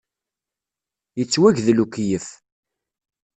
Yettwagdel ukeyyef!